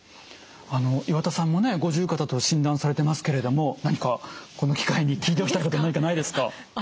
岩田さんもね五十肩と診断されてますけれども何かこの機会に聞いておきたいこと何かないですか？